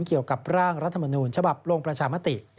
เกี่ยวกับร่างรัฐมนูญฉบับลงประชามติ